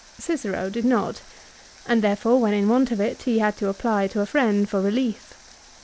Cicero did not ; and therefore when in want of it he had to apply to a friend for relief.